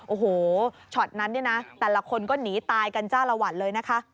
โอ้โหช็อตนั้นแต่ละคนก็หนีตายกันจ้าละหวัดเลย